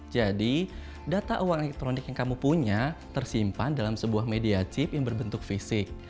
jadi data uang elektronik yang kamu punya tersimpan dalam sebuah media chip yang berbentuk fisik